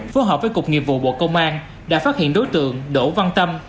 phối hợp với cục nghiệp vụ bộ công an đã phát hiện đối tượng đỗ văn tâm